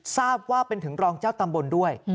ทราบว่าเป็นถึงรองเจ้าตำบลด้วย